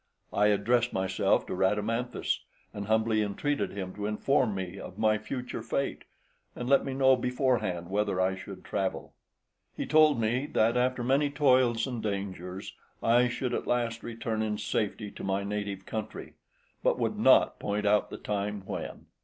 I addressed myself to Rhadamanthus, and humbly entreated him to inform me of my future fate, and let me know beforehand whether I should travel. He told me that, after many toils and dangers, I should at last return in safety to my native country, but would not point out the time when.